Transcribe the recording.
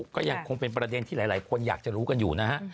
ก็ยังคงเป็นประเด็นที่หลายคนอยากจะรู้กันอยู่นะฮะ